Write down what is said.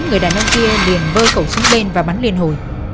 người đàn ông kia liền vơi khẩu súng lên và bắn liền hồi